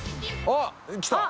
あっきた！